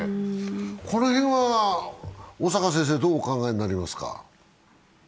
この辺は小坂先生、どうお考えになりますか？